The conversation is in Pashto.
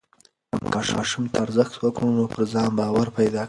که ماشوم ته ارزښت ورکړو نو پر ځان باور پیدا کوي.